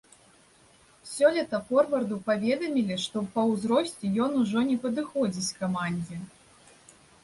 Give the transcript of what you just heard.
Сёлета форварду паведамілі, што па ўзросце ён ужо не падыходзіць камандзе.